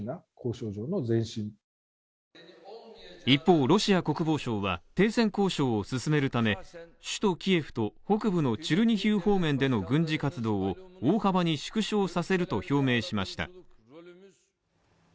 一方、ロシア国防省は停戦交渉を進めるため首都キエフと北部のチェルニヒウ方面での軍事活動を大幅に縮小させると表明しました。